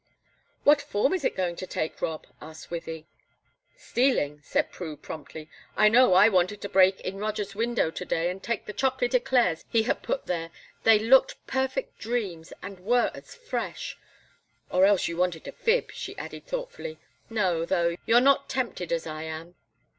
"What form is it going to take, Rob?" asked Wythie. "Stealing," said Prue, promptly. "I know I wanted to break in Roger's window to day and take the chocolate eclairs he had put there they looked perfect dreams, and were as fresh! Or else you want to fib," she added, thoughtfully. "No, though; you're not tempted as I am.